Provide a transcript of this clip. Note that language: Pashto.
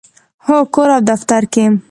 هو، کور او دفتر کې